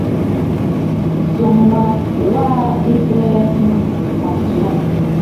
Ǹsɔŋ wa wa ɨ bè mə a ntswaà.